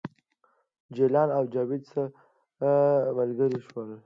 جلان او جاوید ښه ملګري شول